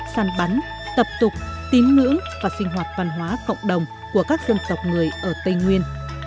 săn bắn tập tục tín ngưỡng và sinh hoạt văn hóa cộng đồng của các dân tộc người ở tây nguyên